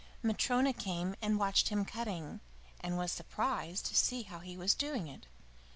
Matryona came and watched him cutting, and was surprised to see how he was doing it.